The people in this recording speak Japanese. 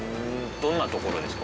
どんなところですか？